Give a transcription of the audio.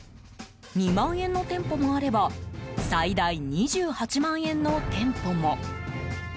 ２万円の店舗もあれば最大２８万円の店舗も。